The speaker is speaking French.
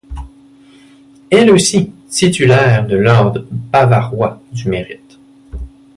Elle aussi titulaire de l'Ordre bavarois du Mérite.